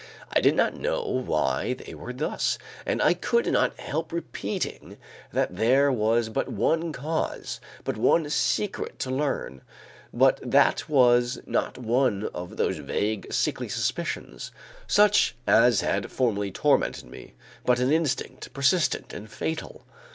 I did not know why they were thus, and I could not help repeating that there was but one cause, but one secret to learn; but that was not one of those vague, sickly suspicions, such as had formerly tormented me, but an instinct, persistent and fatal.